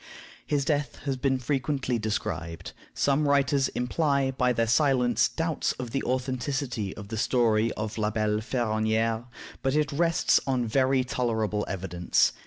His death has been frequently described. Some writers imply, by their silence, doubts of the authenticity of the story of La Belle Ferronnière; but it rests on very tolerable evidence.